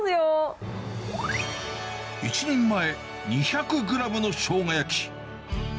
１人前２００グラムのショウガ焼き。